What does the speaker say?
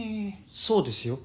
そうですよ。